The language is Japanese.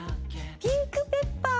ピンクペッパー！